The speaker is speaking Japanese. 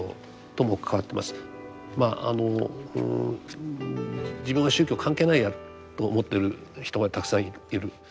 まあ自分は宗教関係ないやと思ってる人がたくさんいる。